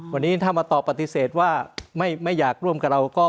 วันนี้ถ้ามาตอบปฏิเสธว่าไม่อยากร่วมกับเราก็